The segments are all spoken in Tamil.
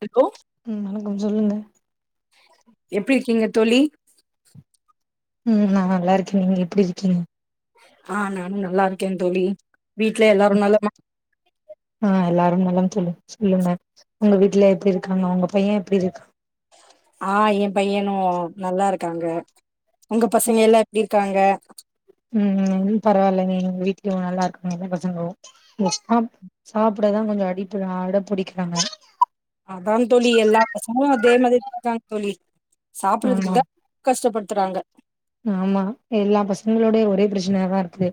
டிக்கு ம் வணக்கம் சொல்லுங்க எப்டி இருக்கீங்க தோழி? ம் நா நல்லாருக்கே நீங்க எப்டி இருக்கீங்க? ஆ நானு நல்லாருக்கே தோழி வீட்ல எல்லாரு நலமா? ரும் நலம் தோழி சொல்லுங்க உங்க வீட்ல எப்டி இருக்காங்க? உங்க பைய எப்டி இருக்கா? ஆ என் பையனு நல்லாருக்காங்க, உங்க பசங்க எல்லா எப்டி இருக்காங்க? ம் ம் பரவால்லங்க எங்க வீட்லயு நல்லாருக்காங்க எங்க பசங்களு இந்த சாப் சாப்டதா கொஞ்ச அடிப்ப அடம் புடிக்கிறாங்க அதா தோழி எல்லா பசங்களு அதே மாரி தா தோழி சாப்புட்றதுக்கு ஆமா தா கஷ்டப்படு த்துறாங்க ஆமா எல்லா பசங்களோட ஒரே பிரச்சனயாதா இருக்கு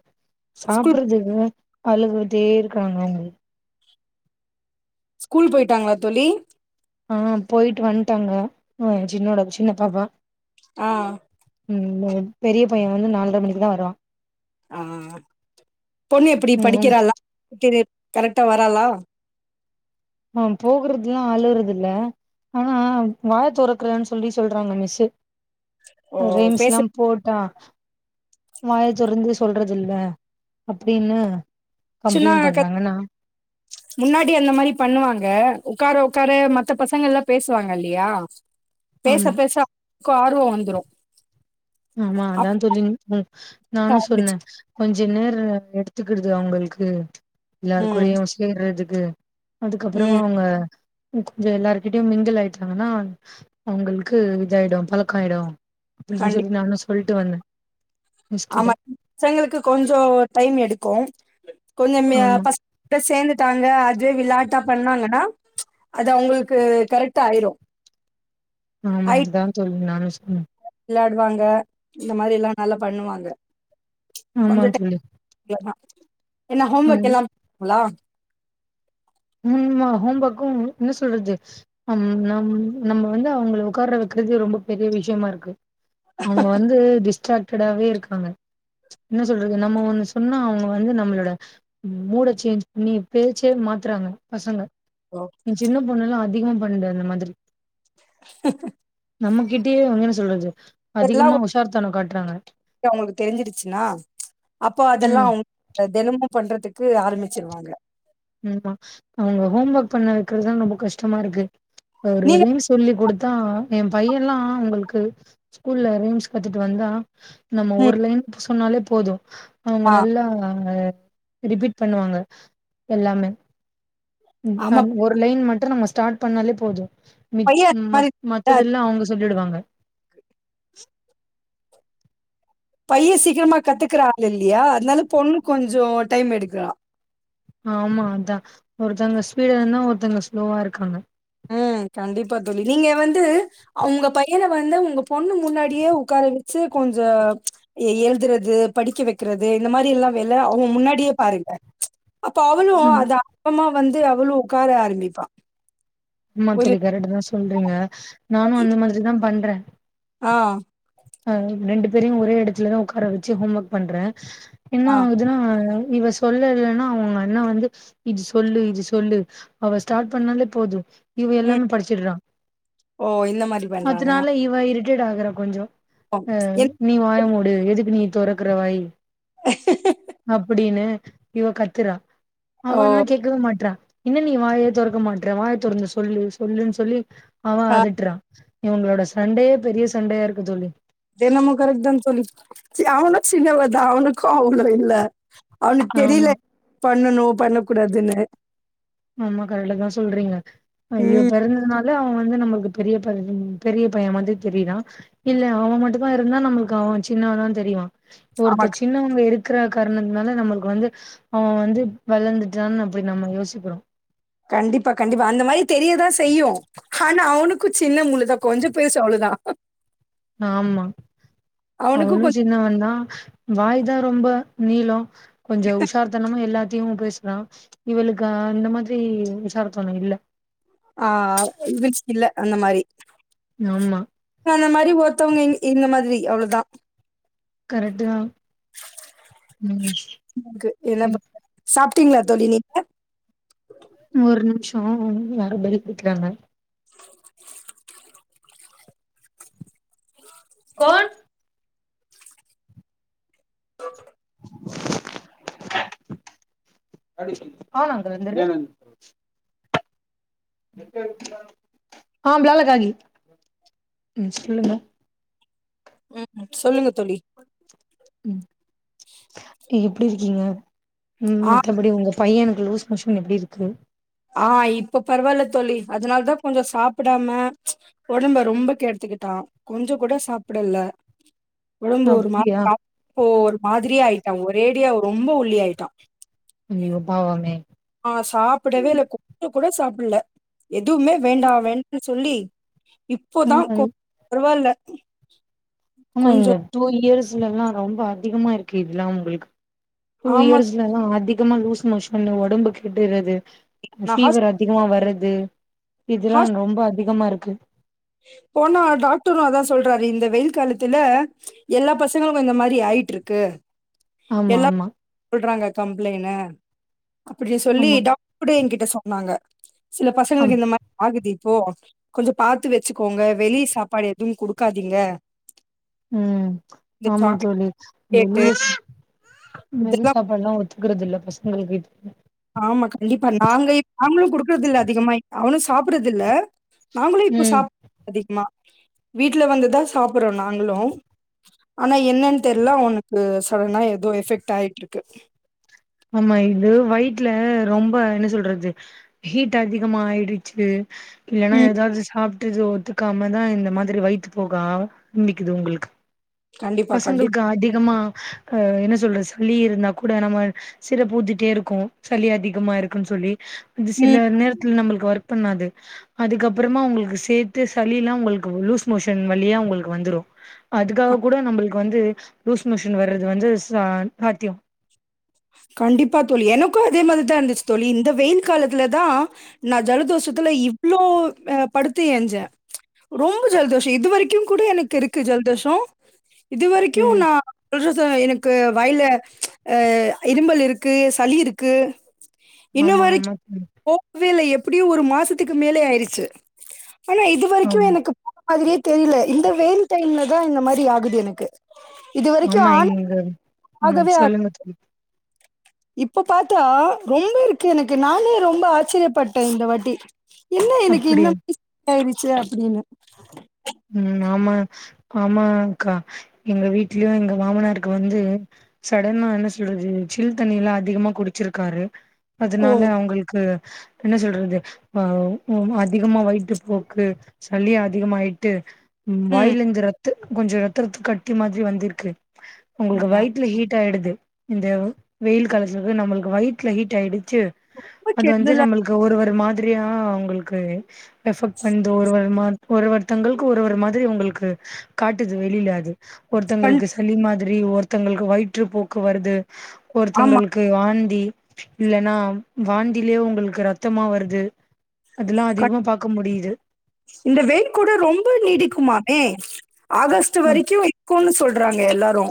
ஸ்கூல் சாப்புறதுக்கு அழுதுட்டே இருக்காங்க அவுங்க ஸ்கூல் போயிட்டாங்ளா தோழி? ஆ போயிட்டு வன்ட்டாங்க சின்னோட சின்ன பாப்பா ஆ ம் பெரிய பைய வந்து நால்ர மணிக்குதா வருவா ஆ பொண்ணு எப்டி ம் படிக்குறாளா [unintelligible] கரெக்ட்டா வ ராலா ஆ போகுறதுல்லா அழுறதுல்ல ஆனா வா தொறக்கலன் சொல்லி சொல்றாங்க மிஸ்ஸு ஓ ரீம்ஸ்லா பேசுச்சுன்னா போட்டா வாய தொறந்து சொல்றதில்ல அப்டின்னு கம்ப்ளைண்ட் பண்றாங்க நா முன்னாடி அந்த மாரி பண்ணுவாங்க உக்கார உக்கார மத்த பசங்கல்லா பேசுவாங்க இல்யா பேச ஆமா பேச [inaudible] ஆ ர்வொ வந்துரு ஆமா அதா தோழி ம் நானு சாண்ட்விச். சொன்னே கொஞ் ச நேர எடுத்துக்கிடுது அவுங்கள்க்கு ம் எல்லார்கூடயு சேர்றது க்கு அதுக்கப்றமு ம் அவுங்க கொஞ்ச எல்லார்கிட்டயு மிங்கிள் ஆயிட்டாங்கன்னா அவுங்களுக்கு இதாயிடு பழக்காயிடு அப்டி கண்டிப்பா. செஞ்சர்னு நானு சொல்ட்டு வந்தே கிட்ட ஆமா பசங்களுக்கு கொஞ்சோ டைம் எடு கோம் கொஞ்சமே ஆமா பஸ்ட சேந்துட்டாங்க அங்க அதுவே விளாட்டா பண்ணாங்கன்னா அது அவுங்களுக்கு கரெக்ட்டா ஆயிரு ஆமா அதா சொல் நானு சொன்னே வெளாடுவாங்க இந்த மாரி எல்லா நல்லா பண்ணுவாங்க கொஞ்ச ஆமா டை தோழி இவ்ளோதா என்ன ஹோம் ஆ ஒர்க் எல்லா [unintelligible] உம்மா ஹோம் ஒர்க்கு என்ன சொல்றது நம் நம்ம வந்து அவுங்க வொக்கார வக்கறது ரொம்ப பெரிய விஷயமா இருக்கு அவுங்க வந்து டிஸ்ட்டாக்ட் கெடாவே இருக்காங்க என்ன சொல்றது நம்ம ஒன்னு சொன்னா அவுங்க வந்து நம்மளோட மூட சேஞ்ச் பண்ணி பேச்சே மாத் த்றாங்க பசங்க ஓ. எ சின்ன பொண்ணல்லா அதிக பண்ற இந்த மாதிரி நம்மகிட்டயே வந்து என்ன சொல்றது இதெல்லா அதிகமா ஒரு உஷார்த்தனம் காட்டுறாங்க அவுங்களுக்கு தெரிஞ்சிருச்சுன்னா அப்போ அதெல்லா ம் தெனமு பண்றதுக்கு ஆரம்பிச்சுருவாங்க ஆமா அவுங்க ஹோம் ஒர்க் பண்ண வக்கறதுதா ரொம்ப கஷ்டமா இருக்கு அவர் நீங்க எதையு சொல்லி குடுத் தா எ பையல்லா உங்களுக்கு ஸ்கூல்ல ரீம்ஸ் கத்துட்டு வந்தா நம்ம ம் ஊர்லயு புஸ் சொன்னாலே போது அவுங்க ஆ நல்லா ரிப்பீட் பண்ணுவாங்க எல்லாமே ம் அ ஆமா ஒரு லைன் மட்டு நம்ம சொன் டாட் பண்ணாலே போது மித் பையன் அந்த ம் மாரி அ மத்ததெல்லா அவுங்க சொல்லிடுவாங்க பைவசிக் சீக்கிரமா கத்துக்கராங்க இல்லயா அதனால பொன்னு கொஞ்ச கொஞ்சே டைம் எடுக்கலாம் ஆமா அதான் ஒருத்தவுங்க ஸ்பீடுன ஒருத்தவுங்க ஸ்லோவா இருக்காங்க ம் கண்டிப்பா தோழி நீங்க வந்து அவங்க பையன வந்து உங்க பொண்ணு முன்னாடியே உக்கார வச்சு கொஞ்சம் எழுதுறது படிக்க வைக்கறது இந்த மாரி எல்லா வில அவங்க முன்னாடியே பாருங்க அப்போ அவளும் ம் அத்தா அப்றோமா வந்து அவளும் வந்து உக்கார ஆரம்பிப்பா ஒரு மந்திலி கரண்ட் தா பண்றீங்க நானும் அந்த மாரி தா பண்றேன் ஆ ஆ ரெண்டு பேரையும் ஒரே இடத்துல தா உக்கார வச்சு ஹோம் ஒர்க் பண்றேன் என்ன ஆ ஆகுதுன்னா இவ சொல்லலனா அவுங்க அண்ணா வந்து இது சொல்லு இது சொல்லு அவ ஸ்டார்ட் பண்ணாலே போதும் இவ ம் எல்லாமே படிச்சுட்றா ஓ இந்த மாரி பண்றானா? அதுனால இவ இரு அப்கிரேட் ஆகுற கொஞ்சம் ம் என் நீ வாய மு டு எதுக்கு நீ தொறக்குற வாயி அப்டீன்னு இவ கத்துரா ஓ அவன கேக்கவே மாட்டுறா என்ன நீ வாயே தொறக்க மாட்ற வாய தொறந்து சொல்லு சொல்லுன்னு சொல்லி அவன் ஆ அகட்டுறான் இவுங்களோட சண்டேைய பெரிய சண்டையா இருக்கு தோழி அது என்னமோ கரட்தான் தோழி அவனும் சின்னவ தான் அவனுக்கும் கோவம் அவ்ளோ இல்ல அவனுக் தெரில ஆமா பண்ணணும் பண்ணக் கூடாதுன்னு ஆமா கரக்டா தா சொல்றீங்க ஐய்யோ ம் பிறந்த நாள் அவன் வந்து நம்மளுக்கு பெரிய பெரிய பையன் வந்து தெரிறான் இல்ல அவன் மட்டும் தா இருந்தா நம்மளுக்கு அவன் சின்னவன தா தெரிவான் ஆமா ஒருத்தர் சின்னவங்க இருக்கற காரணத்துனால நம்மளுக்கு வந்து அவெ வந்து வளர்ந்துட்டான்னு அப்படி நம்ம யோசிக்கிறோ கண்டிப்பா கண்டிப்பா அந்த மாதிரி தெரியதா செய்யு ஆனா அவனுக்கு சின்ன முழுதா கொஞ்சோ பேசு அவளதா ஆமா அவனுக்கும் அவளு கொஞ் சின்ன வந்தா வாய் தா ரொம்ப நீளோ கொஞ்சோ உஷார் தனமு எல்லாத்த த்திவ பேசுறா இவளுக்கு அந்த மாதிரி உசார்த்தணோ இல்ல ஆ இல்ல அந்த மாதிரி ஆமா அந்த மாதிரி ஒருத்தவங்க இந்த மாதிரி அவ்ளோதா கரெக்டு தா ம் ம் ப்டீங்களா தோழி நீங்க ஒரு நிமிஷோ யாரோ வெளிப்புடிக்ராங்க கோன் ஆ அங்க வந்துர ஆ பிளாலகாகி சொல்லுங்க ம் சொல்லுங்க தோழி ம் இப் எப்டி இருக்கீங்க ம் ஆ மித்தபடி உங்க பையனுக்கு லூஸ் மோஷன் எப்டி இருக்கு ஆ இப்ப பரவாயில்ல தோழி அதனால தா கொஞ்சம் சாப்பிடாம ஒடம்ப ரொம்ப கேடுத்துக்கிட்டா கொஞ்சம் கூட சாப்டல ஒடம்பு ஒரு அப்டியா மாதிரி போ ஒரு மாதிரி ஆயி ஒரேடியா ரொம்ப உள்ளியாயிட்டா ஐயோ பாவமே ஆ சாப்பிடவே இல்ல கொஞ்ச கூட சாப்டல எதுவுமே வேண்டா வேண்டா சொல்லி இப்போதா ஆமா கொ பரவாயில ஆமா இந்த டூ இயர்ஸ் சுல எல்லா ரொம்ப அதிகமா இருக்கு இதெல்லா உங்களுக்கு டூ ஆமா இயர்ஸ்லலா அதிக அதிகமா லூஸ் மோஷன் ஒடம்பு கெடுறது நா ஹாஸ் ஃபீவர் அதிகமா வர்றது அது இதுல்லா ஹாஸ் ரொம்ப அதிகமா இருக்கு ஓகே போனா டாக்டரு அதா சொல்றாரு இந்த வெயில் காலத்துல எல்லா பசங்களுக்கு இந்த மாதிரி ஆயிட்டு இருக்கு ஆமா எல்லா ஆமா சொல்றாங்க கம்ப்ளைனு அப்டின்னு சொல்லி ஆமா டவு கூட என்கிட் ட சொன்னாங்க சில ஆம் பசங்களுக்கு இந்த மாதிரி ஆகுது போ கொஞ்சோ பாத்து வச்சுக்கோங்க வெளிய சாப்பாடு எதுவு குடுக்காதீங்க ம் இந்த ஆமா தோழி சாக்லேட்டு வெளிய வெளி இதெல்லா சாப்பாட்ல்லா ஒத் துக்கறதில பசங்களுக்கு ஆமா கண்டிப்பா நாங்க நாங்களு குடுக்குறது இல்ல அதிகமா அவனு சாப்பறது இல்ல நாங்களு இப்போ ம் சாப்பிட அதிகமா வீட்டுல வந்துதா சாப்பிடுறோ நாங்களு ஆனா என்னன்னு தெர்ல அவனக்கு சடனா ஏதோ எஃபெக்ட் ஆயிட்டு இருக்கு ஆமா இது வயிட்ல ரொம்ப என்ன சொல்றது ஹீட் அதிகமா ஆயிடுச்சு இல்லனா ம். ஏதாவது சாப் ட்டுது ஒத்துக்காமதா இந்த மாதிரி வைத்து போகா ரம்பிக்குது உங்களுக்கு கண்டிப்பா, கண்டிப் பசங்களுக்கு அதிகமா அ என்ன சொல்றது சலி இருந்தா கூட நம்ம சில பூத்திட்டே இருக்கு சளி அதிகமா இருக்குன்னு சொல்லி அது ம். சில நேரத்துல நம்மளுக்கு ஒர்க் பண்ணாது அதுக்கப்புறமா உங்களுக்கு சேர்த்து சளி எல்லா உங்களுக்கு லூஸ் மோஷன் வழியா உங்களுக்கு வந்துடு க அதுக்காக கூட நம்மளுக்கு வந்து லூஸ் மோஷன் வர்றது வந்து ச சாத்தியோ கண்டிப்பா தோழி எனக்கு அதே மாதிரிதா இருந்துச்சு தோழி இந்த வெயில் காலத்துலதா நா ஜலதோஷத்துல இவ்வளவு அ படுத்து ஏஞ்சே ரொம்ப ஜலதோஷோ இதுவரைக்கு கூட எனக்கு இருக்கு ஜலதோஷோ இது வரைக்கு ம் நா சொல்ற ச எனக்கு வயல அ இரும்பல் இருக்கு சளி இருக்கு இன்னு ஆமா வரைக் ஆமா தோழி போகவேல எப் அப்டியு ஒரு மாசத்துக்கு மேலே ஆயிருச்சு ஆனா இது வரைக்கு ஆமா எனக்கு மாதிரியெதெரியல இந்த வெயில் டைம்ல தா இந்த மாதிரி ஆகுது எனக்கு இதுவரைக்கும் ஆமா ஆன இங்க ம் ஆகவே ஆ சொல்லுங்க தோழி இப்ப பார்த்தா ரொம்ப இருக்கு எனக்கு நானே ரொம்ப ஆச்சரியப்பட்டே இந்த வாட்டி என்னா எனக்கு இன்னு அப்டியா [unintelligible] இதா ஆயிருச்சு அப்டின்னு ம் ஆமா ஆமாக்கா எங்க வீட்லயு எங்க மாமனாருக்கு வந்து சடனா என்ன சொல்றது சில் தண்ணி எல்லா அதிகமா குடிச்சுருக்காரு ஓ! அதனால அவுங்களுக்கு என்ன சொல்றது ஆ அதிகமா வயிட்டு போக்கு சளி அதிகமாயிட் ட்டு ம் வாயலந்து இரத் த்து கொஞ்ச ரத்தத்து கட்டி மாதிரி வந்திருக்கு உங்களுக்கு ம். வயித்ல ஹீட் ஆயிடுது இந்த வெயில் காலத்துக்கு நம்மளுக்கு வயிட்ல ஹீட் ஆயிடு ட்டு ரொம்ப அது வந்து கெடுதலா நம்மளுக்கு ஒரு ஒரு மா [unintelligible] அவங்களுக்கு [unintelligible] தங்களுக்கு ஒரு ஒரு மாதிரி உங்களுக்கு காட்டுது வெளில அது கண் ஒருத்தங்களுக்கு சளிமா திரி ஒருத்தங்களுக்கு வயிற்று போக்கு வருது ஆமா. ஒருத்தங்களுக்கு வாந்தி இல்லன்னா வாந்திலே உங்களுக்கு ரத்தமா வருது அதுல்லா கண் அதிகமா பாக்க முடியுது இந்த வெயில் கூட ரொம்ப நீடிக்குமாமே ஆகஸ்ட்டு அப் வரைக்கு இக் குன்னு சொல்றாங்க எல்லாரு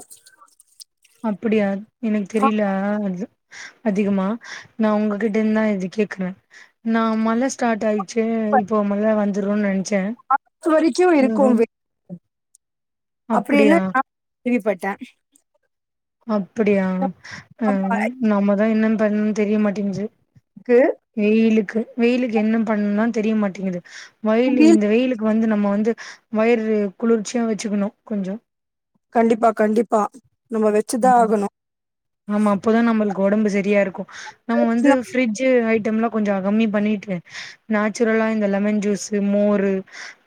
அப்புடியா எனக் தெரில அ அது அதிகமா நா உங்ககிட்ட இந் தா இது கேக்குறே நா மழ ஸ்டார்ட் ஆயி சே இப்போ மழ வந்து துரோநன் அத்து வரைக்கும் இருக்கும் வெ அப்புடி என்ன அப்படியா அ திரிப்பட்ட அப்புடியா ம் அ நம்மதா என்னன் பண்ணனும்னு தெரிய மாட்டேங்குது இருக்கு வெயிலுக்கு வெயிலுக்கு என்ன பண்ணனும்னு தெரியமாட்டேங்குது வயிலு முடில் இந்த வெயிலுக்கு வந்து நம்ம வந்து வயறு குளிர்ச்சியா வச்சுக்கணும் கொஞ்சோ கண்டிப்பா கண்டிப்பா நம்ம வெச்சுதா ம் ஆகணும் ஆமா அப்போ தா நம்மளுக்கு ஒடம்பு செரியா இருக்கும் நம்ம வந்து ஃபிரிட்ஜு ஹை கொஞ்சோ கம்மி பண்ணிட்டு நேச்சுரலா இந்த லெமன் ஜூஸ் மோரு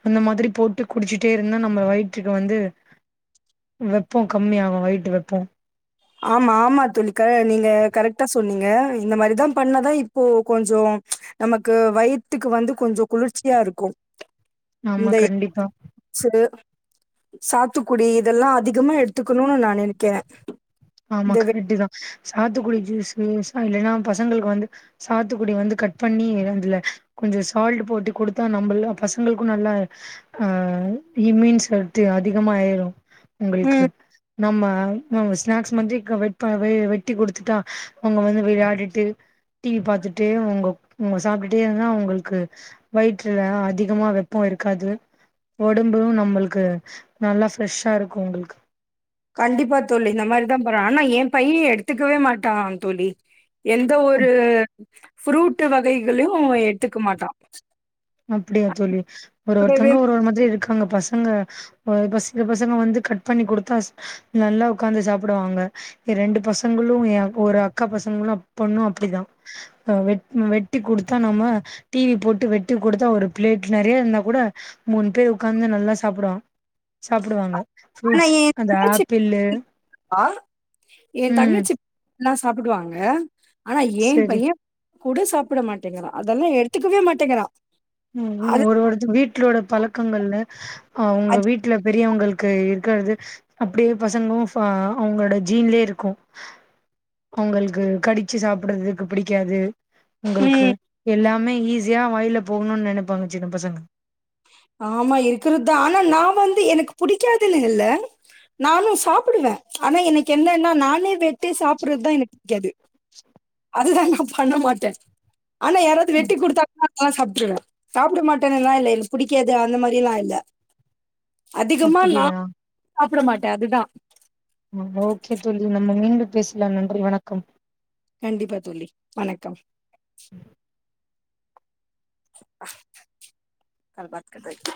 அந்த மாரி போட்டு குடிச்சுட்டே இருந்தா நம்ம வயிற்றுக்கு வந்து வெப்பம் கம்மிய ஆகும் வயிற்றுட்டு வெப்பம் ஆமா ஆமா தோழி நீங்க கரெக்டா சொன்னீங்க இந்த மாரி தா பண்ணுனா தா இப்போ கொஞ்சம் நமக்கு வயிற்றுக்கு வந்து கொஞ்சம் குளிர்ச்சியா இருக்கும் ஆமா இந்த கண்டிப்பா சுடு சாத்துக்குடி இதெல்லாம் அதிகமா எடுத்துக்கனும் நா நெனைக்கிறேன் ஆமா கரெக்டு தான் சாத்துக்குடி ஜூஸ் இல்லன்னா பசங்களுக்கு வந்து சாத்துக்குடி வந்து கட் பண்ணி அதுல கொஞ்சோ சால்ட் போட்டு குடுத்தா நம்ம பசங்களுக்கும் நல்லா அ இமீன் சத்து அதிகமா ஆயிரும் உங்களுக்கு ம் நம்ம நவஸ் ஸ்நாக்ஸ் மட்டும் வெ வெட்டி குடுத்துட்டா அவங்க வந்து விளயாடிட்டு டிவி பாத்துட்டு உங்க உங்க சாப்பிட்டுட்டே இருந்தா அவங்களுக்கு வயிற்றுல அதிகமா வெப்பம் இருக்காது உடம்பும் நம்மளுக்கு நல்லா ஃப்ரெஷ்ஷா இருக்கும் உங்களுக்கு கண்டிப்பா தோழி நம்ம இந்த மாரி தா போறேன் ஆனா ஏன் பையன் எடுத்துக்கவே மாட்டான் தோழி எந்த ஒரு ஃப்ரூட் வகைகளும் எடுத்துக்க மாட்டான் அப்டியா தோழி ஒரு ஒருத்தங்க ஒரு ஒரு மாதிரி இருக் க்காங்க பசங்க சில பசங்க வந்து கட் பண்ணி குடுத்தா நல்லா உக்காந்து சாப்பிடுவாங்க என் ரெண்டு பசங்களும் ஒரு அக்கா பசங்களும் பொண்ணும் அப்டிதான் வெட்டி குடுத்தா நம்ம டிவி போட்டு வெட் டி குடுத்தா ஒரு பிளேட் நெறைய இருந்தா கூட மூணு பேர் உக்காந்து நல்லா சாப்பிடுவான் சாப்பிடுவாங்க ஆனா ஃப்ரூட்ஸ் என் அந்த தங்கச்சி ஆப்பிலு ம் நல்லா சாப்பிடுவாங்க ஆனா ஏன் சரி பையன் கூட சாப்பிட மாட்டேங்கறா அதெல்லாம் எடுத்துக்கவே மாட்டேங்கிறான் ம் ஒரு ஒருதவங்க வீட் வலோட பழக்கங்கள்ல ஆ அவுங்க அது வீட்ல பெரியவங்கள் இருக்கிறது அப்டியே பசங்களும் அ அவங்களோட ஜீன்லயே இருக்கும் அவங்களுக்கு கடிச்சு சாப்படுறதுக்கு பிடிக்காது உங்களுக்கு ம். எல்லா ம்மை ஈஸியா வாயிலப் போனுன் நினைப்பாங் சின்ன பசங்க ஆம்மா இருக்கறது தா ஆனா நா வந்து எனக்கு பிடிக்காதில்ல நானு சாப்பிடுவே ஆனா எனக்கு என்னன்னா நானே வெட்டி சாப்பிடுறது தா எனக்கு பிடிக்காது அதுதா நா பண்ண மாட்டே ஆனா யாராவது ம் வெட்டி கொடுத்தாங் நா ஆ சாப்பிட்டுவே சாப்புட மாடன்லா இல்ல புடிக்காது அந்த மாரில்லா இல்ல அதிகமா நா அப்படியா சாப்புட மாட்டே அது தா ஆ ஓக்கே தோழி நம்ம மீண்டும் பேசுலா நன்றி வணக்கம் கண்டிப்பா தோழி வணக்கம் [unintelligible] ப்பா அது [unintelligible]